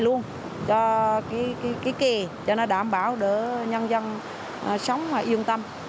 chúng ta sẽ làm hết luôn cho cái kề cho nó đảm bảo đỡ nhân dân sống yên tâm